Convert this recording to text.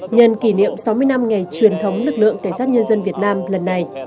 nhân kỷ niệm sáu mươi năm ngày truyền thống lực lượng cảnh sát nhân dân việt nam lần này